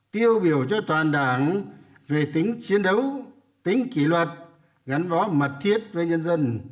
tiêu biểu cho toàn đảng về tính chiến đấu tính kỷ luật gắn bó mật thiết với nhân dân